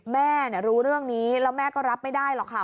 แม่รู้เรื่องนี้แล้วแม่ก็รับไม่ได้หรอกค่ะ